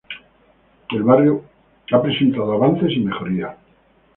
El barrio ha presentado avances y mejorías.